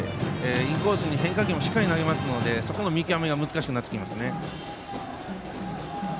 インコースに変化球もしっかり投げますのでそこの見極めが難しくなってきますね。